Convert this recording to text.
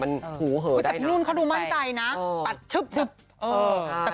มันหูเหอได้หน่อยแต่พี่นุ่นเขาดูมั่นใจนะเออตัดชึบชึบเออใช่